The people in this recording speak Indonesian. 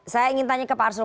saya ingin tanya ke pak arsul